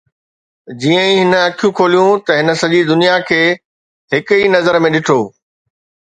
جيئن ئي هن اکيون کوليون ته هن سڄي دنيا کي هڪ ئي نظر ۾ ڏٺو